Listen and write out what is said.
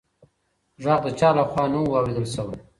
غږ د چا لخوا نه و اورېدل شوې.